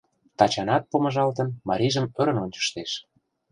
Тачанат помыжалтын, марийжым ӧрын ончыштеш.